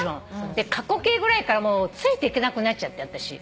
で過去形ぐらいからついていけなくなっちゃって私。